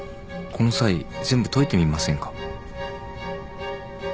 この際全部解いてみませんか？